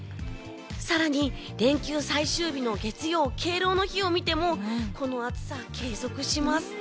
更に連休最終日の月曜、敬老の日を見てもこの暑さ、継続します。